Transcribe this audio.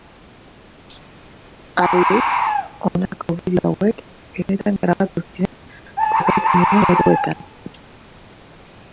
Aldiz, honako bideo hauek benetan grabatu ziren kokatzen diren lekuetan.